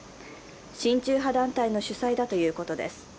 親中派団体の主催だということです。